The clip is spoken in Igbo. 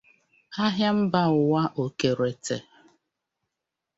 Ahịa Mba Ụwa Okerete